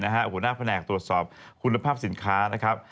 หัวหน้าแผนกตรวจสอบคุณภาพสินค้านะครับ